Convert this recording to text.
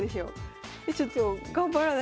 ちょっと頑張らないと。